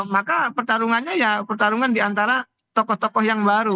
maka pertarungannya ya pertarungan di antara tokoh tokoh yang baru